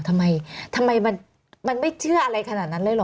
ทำไมทำไมมันไม่เชื่ออะไรขนาดนั้นเลยเหรอ